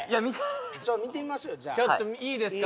ちょっと見てみましょうよじゃあちょっといいですか？